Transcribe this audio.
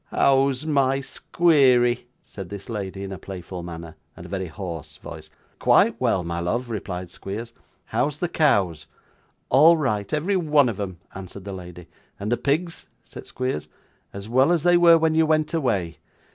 'How is my Squeery?' said this lady in a playful manner, and a very hoarse voice. 'Quite well, my love,' replied Squeers. 'How's the cows?' 'All right, every one of'em,' answered the lady. 'And the pigs?' said Squeers. 'As well as they were when you went away.